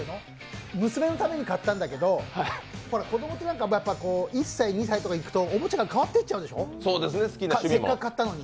娘のために買ったんだけど子供って、１歳、２歳とかいくとおもちゃが変わっていっちゃうでしょう、せっかく買ったのに。